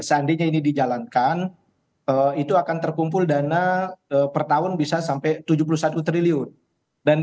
seandainya ini dijalankan itu akan terkumpul dana per tahun bisa sampai tujuh puluh satu triliun dan